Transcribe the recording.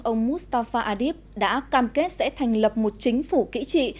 ông mustafa adib đã cam kết sẽ thành lập một chính phủ kỹ trị